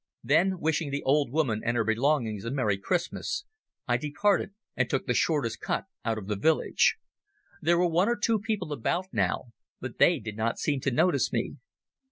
Then wishing the old woman and her belongings a merry Christmas, I departed and took the shortest cut out of the village. There were one or two people about now, but they did not seem to notice me.